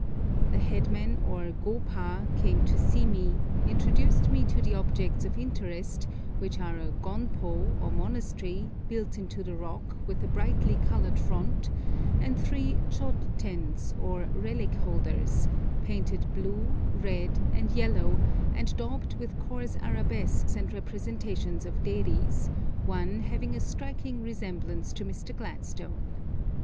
The headman or go pa came to see me, introduced me to the objects of interest, which are a gonpo, or monastery, built into the rock, with a brightly coloured front, and three chod tens, or relic holders, painted blue, red, and yellow, and daubed with coarse arabesques and representations of deities, one having a striking resemblance to Mr. Gladstone.